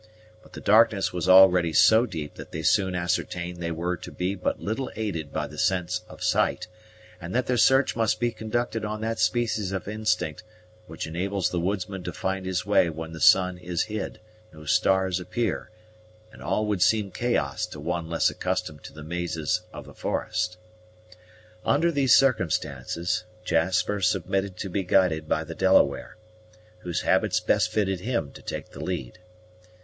But the darkness was already so deep that they soon ascertained they were to be but little aided by the sense of sight, and that their search must be conducted on that species of instinct which enables the woodsman to find his way when the sun is hid, no stars appear, and all would seem chaos to one less accustomed to the mazes of the forest. Under these circumstances, Jasper submitted to be guided by the Delaware, whose habits best fitted him to take the lead.